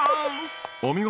お見事。